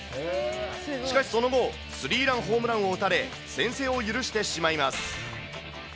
しかし、その後、スリーランホームランを打たれ、先制を許してしまいます。